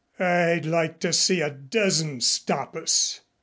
"I'd like to see a dozen stop us."